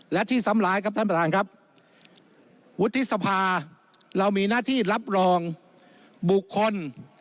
และที่ซ้ำร้ายครับท่านประธานครับวุฒิสภาเรามีหน้าที่รับรองบุคคล